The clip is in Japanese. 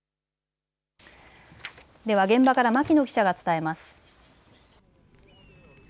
では現場から牧野記者が伝えます。